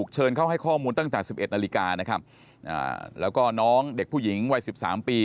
เชิญเข้าให้ข้อมูลตั้งแต่๑๑นาฬิกานะครับแล้วก็น้องเด็กผู้หญิงวัยสิบสามปี